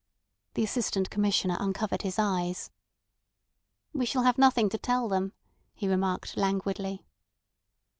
The Assistant Commissioner uncovered his eyes. "We shall have nothing to tell them," he remarked languidly.